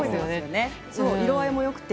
色合いも良くて。